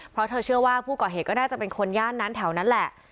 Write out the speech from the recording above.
เพราะเธอเชื่อว่าผู้ก่อเหตุก็น่าจะเป็นคนย่านนั้นแถวนั้นแหละ